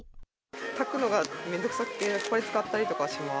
炊くのが面倒くさくてやっぱり使ったりします。